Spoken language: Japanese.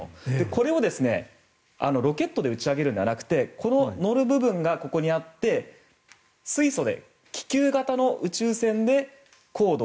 これをロケットで打ち上げるんじゃなくてこの乗る部分がここにあって水素で気球型の宇宙船で高度